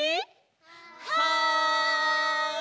はい！